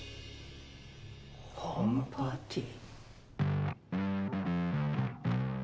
ホームパーティー？